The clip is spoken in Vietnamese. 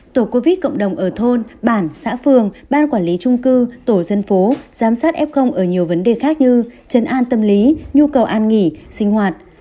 tổ covid cộng đồng ở thôn bản xã phường ban quản lý trung cư tổ dân phố giám sát f ở nhiều vấn đề khác như chấn an tâm lý nhu cầu an nghỉ sinh hoạt